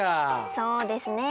そうですね